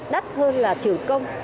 đắt hơn là chịu công